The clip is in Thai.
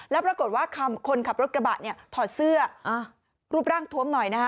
แล้วปรากฏว่าคนขับรถกระบะเนี่ยถอดเสื้อรูปร่างทวมหน่อยนะฮะ